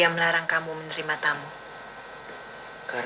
yang penting kita berdua vulkan seseorang dan dale